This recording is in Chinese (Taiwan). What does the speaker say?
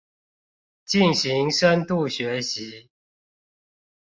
進行深度學習